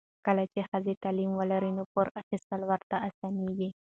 کله چې ښځه تعلیم ولري، نو پور اخیستل ورته اسانېږي.